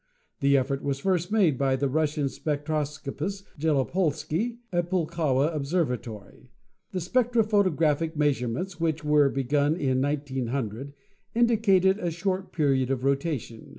The effort was first made by the Russian spectroscopist, Bjelopolsky, at the Pulkowa ob servatory. The spectrophotographic measurements which were begun in 1900 indicated a short period of rotation.